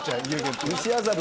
西麻布